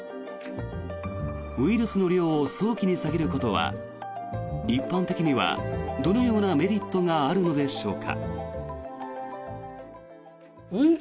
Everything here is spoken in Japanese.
ウイルスの量を早期に下げることは、一般的にはどのようなメリットがあるのでしょうか。